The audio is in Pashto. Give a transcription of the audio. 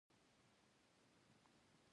د خبرو نه د عمل خلک شئ .